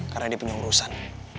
karena dia punya urusan